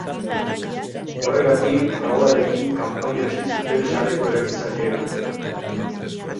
Horregatik traolarekin kanpaina hasi zuten sareko erabiltzaileek.